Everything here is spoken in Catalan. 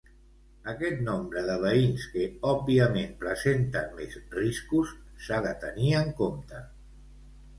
Aquest nombre de veïns que, òbviament, presenten més riscos s'ha de tenir en compte.